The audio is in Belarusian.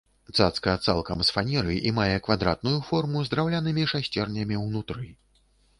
Цацка цалкам з фанеры і мае квадратную форму з драўлянымі шасцернямі ўнутры.